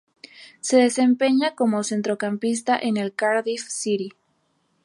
Se desempeña como centrocampista en el Cardiff City.